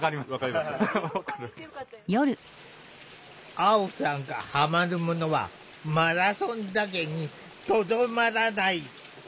アオさんがハマるものはマラソンだけにとどまらない。